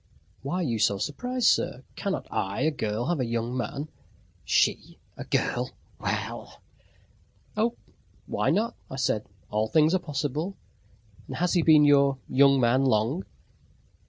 "Why are you so surprised, sir? Cannot I, a girl, have a young man?" She? A girl? Well! "Oh, why not?" I said. "All things are possible. And has he been your young man long?"